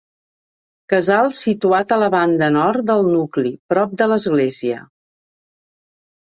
Casal situat a la banda nord del nucli, prop de l'església.